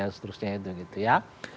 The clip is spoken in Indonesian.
dan seterusnya gitu ya